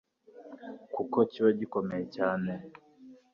kuko kiba gikomeye cyane